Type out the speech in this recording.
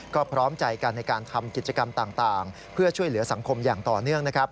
ก็พร้อมใจกันในการทำกิจกรรมต่างเพื่อช่วยเหลือสังคมอย่างต่อเนื่องนะครับ